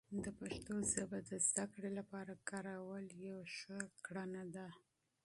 د پښتو ژبه د زده کړې لپاره کارول یوه نیک عمل دی.